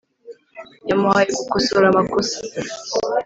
Yamuhaye gukosora amakosa.